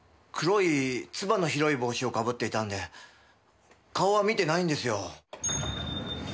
黒いつばの広い帽子を被っていたので顔は見てないんですよ。